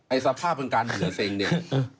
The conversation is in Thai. ไอ้สภาพการเบื่อเซ็งเนี่ย